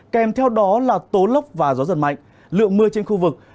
kèm theo đó là tố lốc và gió giật mạnh lượng mưa trên khu vực